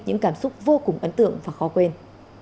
những cảm xúc vô cùng ấn tượng và khó quên